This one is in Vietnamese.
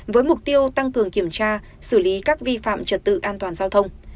với mục tiêu tăng cường kiểm tra xử lý các vi phạm trật tự an toàn giao thông